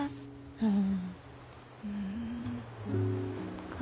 うん。